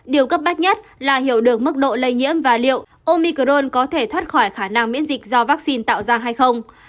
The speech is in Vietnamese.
điều cấp bách nhất là hiểu được mức độ lây nhiễm và liệu omicron có thể thoát khỏi khả năng miễn dịch do vaccine tạo ra hay không